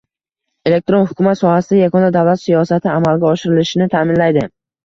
elektron hukumat sohasida yagona davlat siyosati amalga oshirilishini ta’minlaydi;